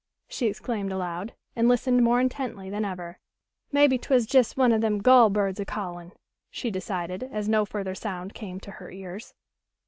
she exclaimed aloud, and listened more intently than ever. "Maybe 'twas jes' one o' them gull birds a callin'," she decided as no further sound came to her ears.